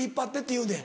言うねん。